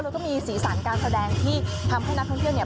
แล้วก็มีสีสันการแสดงที่ทำให้นักท่องเที่ยวเนี่ย